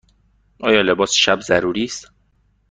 آیا لباس شب ضروری است؟